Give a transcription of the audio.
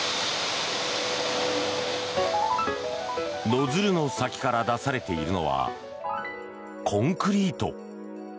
ノズルの先から出されているのはコンクリート。